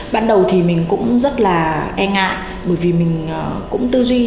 ban đầu thì mình cũng rất là e ngại bởi vì mình cũng tư duy